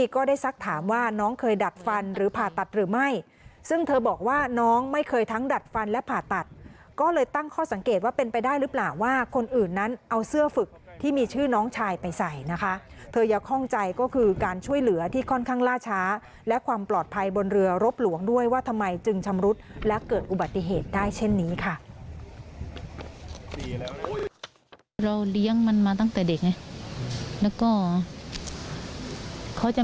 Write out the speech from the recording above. ก็ได้สักถามว่าน้องเคยดัดฟันหรือผ่าตัดหรือไม่ซึ่งเธอบอกว่าน้องไม่เคยทั้งดัดฟันและผ่าตัดก็เลยตั้งข้อสังเกตว่าเป็นไปได้หรือเปล่าว่าคนอื่นนั้นเอาเสื้อฝึกที่มีชื่อน้องชายไปใส่นะคะเธอยังคล่องใจก็คือการช่วยเหลือที่ค่อนข้างล่าช้าและความปลอดภัยบนเรือรบหลวงด้วยว่าทำไมจึงชำรุดและเกิดอุบัติเหตุได้เช่นนี้ค่ะ